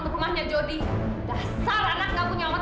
sekarang saya tidak mau tahu cara apa yang saya lakukan